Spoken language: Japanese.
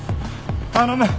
頼む。